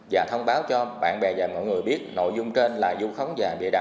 và thông báo cho bạn bè và mọi người biết nội dung trên là dung khống